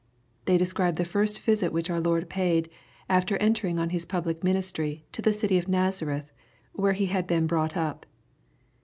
They describe the first visit which our Lo^rd paid^ after eotenDg on His public minis try, to the city of Nazareth, where He had been brought up.